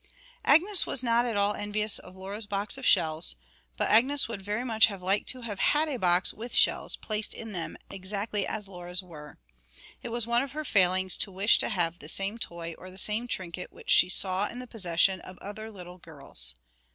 Agnes was not at all envious of Laura's box of shells, but Agnes would very much have liked to have had a box with shells placed in them exactly as Laura's were. It was one of her failings to wish to have the same toy or the same trinket which she saw in the possession of other little girls.